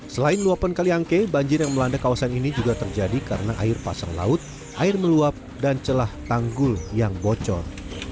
selain luapan kaliangke banjir yang melanda kawasan ini juga terjadi karena air pasang laut air meluap dan celah tanggul yang bocor